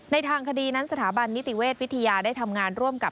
ทางคดีนั้นสถาบันนิติเวชวิทยาได้ทำงานร่วมกับ